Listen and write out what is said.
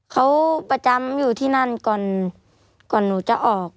เขาประจำอยู่ที่นั่นก่อนก่อนหนูจะออก